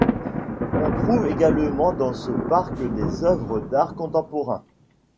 On trouve également dans ce parc des œuvres d'art contemporain.